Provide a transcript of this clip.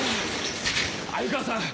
鮎川さん